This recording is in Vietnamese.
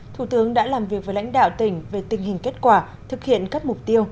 thủ tướng đã làm việc với lãnh đạo tỉnh về tình hình kết quả thực hiện các mục tiêu